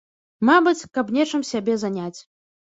Мабыць, каб нечым сябе заняць.